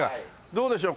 どうでしょう